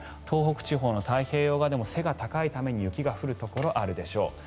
東北地方の太平洋側でも背が高いために雪が降るところがあるでしょう。